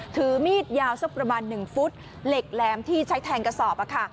ถือมีดยาวสักประมาณ๑ฟุตเหล็กแหลมที่ใช้แทงกระสอบ